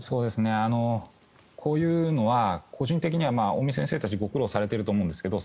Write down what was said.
こういうのは個人的には尾身先生たちご苦労されていると思うんですけど。